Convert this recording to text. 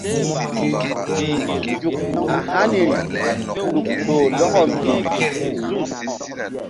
Nzuk a haniri ɗuk toh lɔkɔ mbih.